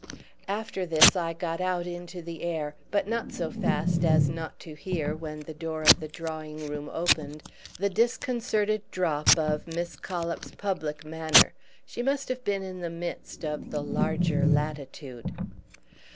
After this I got out into the air, but not so fast as not to hear, when the door of the drawing room opened, the disconcerted drop of Miss Collop's public manner: she must have been in the midst of the larger latitude.